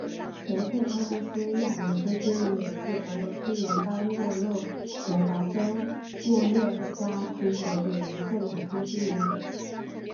别克托夫斯卡亚农村居民点是俄罗斯联邦沃洛格达州沃热加区所属的一个农村居民点。